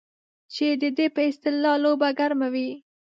چې د ده په اصطلاح لوبه ګرمه وي.